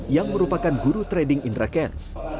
yang merupakan guru trading indra kents